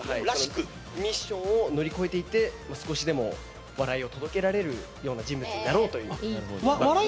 ミッションを乗り越えていって少しでも笑いを届けられるような人物になろうという。